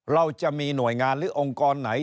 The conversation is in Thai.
เราจะมีหน่วยงานหรือองค์กรไหน